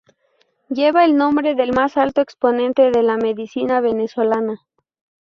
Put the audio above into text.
Lleva el nombre del más alto exponente de la medicina venezolana.